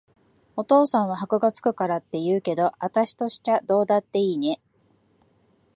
お父さんは箔が付くからって言うけど、あたしとしちゃどうだっていいね。